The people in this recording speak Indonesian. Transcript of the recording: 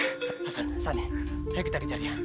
hasan sani ayo kita kejar dia